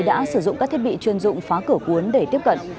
đã sử dụng các thiết bị chuyên dụng phá cửa cuốn để tiếp cận